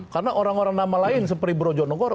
karena orang orang nama lain seperti brojonegoro